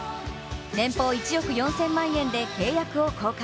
年俸１億４０００万円で契約を更改。